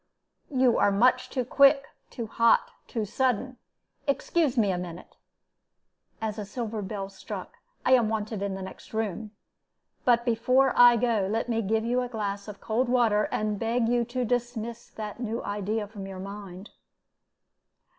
"You are much too quick, too hot, too sudden. Excuse me a minute" as a silver bell struck "I am wanted in the next room. But before I go, let me give you a glass of cold water, and beg you to dismiss that new idea from your mind."